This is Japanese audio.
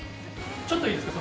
ちょっといいですか？